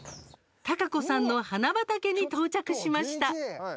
孝子さんの花畑に到着しました。